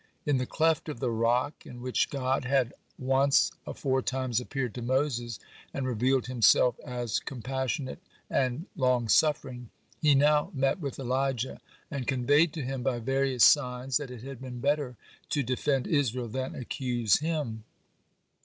(25) In the cleft of the rock in which God had once aforetimes appeared to Moses, and revealed Himself as compassionate and long suffering, He now met with Elijah, (26) and conveyed to him, by various signs, that it had been better to defend Israel than accuse him.